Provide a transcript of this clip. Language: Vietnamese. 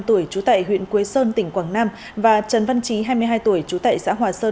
hai mươi năm tuổi chú tại huyện quế sơn tỉnh quảng nam và trần văn trí hai mươi hai tuổi chú tại xã hòa sơn